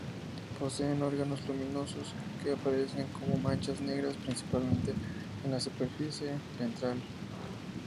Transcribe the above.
Poseen órganos luminosos que aparecen como manchas negras principalmente en la superficie ventral.